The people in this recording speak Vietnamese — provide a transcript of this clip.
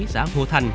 xã hùa thành